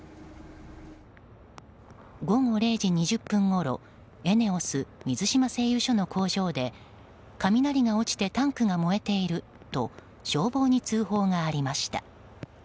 午後０時２０分ごろＥＮＥＯＳ水島製油所の工場で雷が落ちてタンクが燃えていると消防に通報がありました。